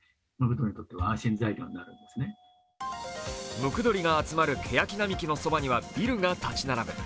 ムクドリが集まるけやき並木のそばにはビルが立ち並ぶ。